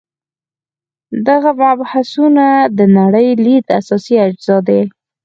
دغه مبحثونه د نړۍ لید اساسي اجزا دي.